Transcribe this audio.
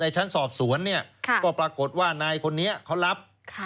ชั้นสอบสวนเนี่ยก็ปรากฏว่านายคนนี้เขารับ